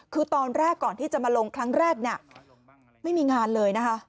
คือตอนแรกก่อนที่จะมาลงครั้งแรกเนี่ยไม่มีงานเลยนะคะ